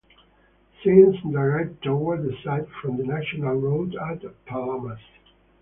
Signs direct toward the site from the national road at Palamas.